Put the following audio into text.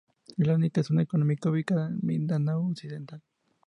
Es la única zona económica ubicada en Mindanao Occidental.